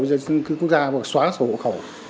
giới chức cư quốc gia và xóa sổ hộ khẩu